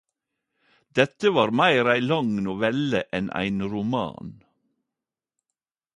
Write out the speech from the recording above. Dette var meir ei lang novelle enn ein roman.